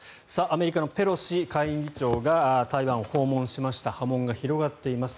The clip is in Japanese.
アメリカのペロシ下院議長が台湾を訪問しました波紋が広がっています。